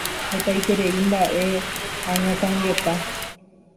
Hetaiterei mba'e añakãngeta